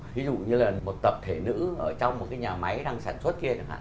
ví dụ như là một tập thể nữ ở trong một cái nhà máy đang sản xuất kia chẳng hạn